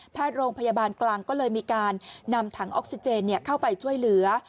โรงพยาบาลกลางก็เลยมีการนำถังออกซิเจนเข้าไปช่วยเหลือ